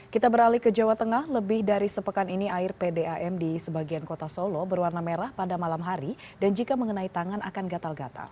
kita beralih ke jawa tengah lebih dari sepekan ini air pdam di sebagian kota solo berwarna merah pada malam hari dan jika mengenai tangan akan gatal gatal